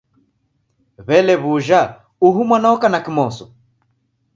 W'ele w'uja uhu mwana oka na kimosho?